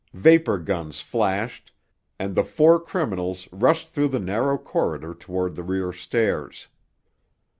Vapor guns flashed—and the four criminals rushed through the narrow corridor toward the rear stairs.